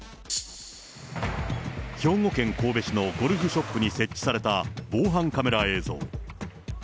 兵庫県神戸市のゴルフショップに設置された、防犯カメラ映像。